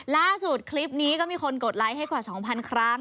ล่าสุดคลิปนี้ก็มีคนกดไลค์ให้กว่า๒๐๐ครั้ง